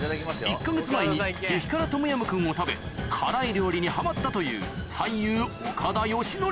１か月前に激辛トムヤムクンを食べ辛い料理にハマったという俳優岡田義徳